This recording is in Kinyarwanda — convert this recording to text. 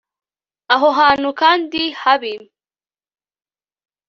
aho hantu kandi habi